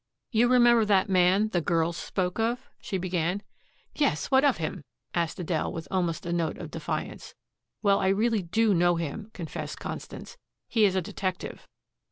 "You remember that man the girls spoke of?" she began. "Yes. What of him?" asked Adele with almost a note of defiance. "Well, I really DO know him," confessed Constance. "He is a detective."